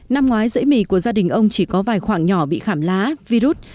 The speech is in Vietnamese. năm ngoái dãy mì của gia đình ông chỉ có vài khoảng nhỏ bị khảm lá virus